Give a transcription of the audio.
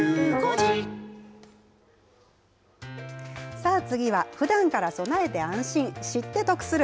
さあ、次は、ふだんから備えて安心、知って得する！